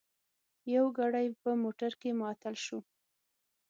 یو ګړی په موټر کې معطل شوو.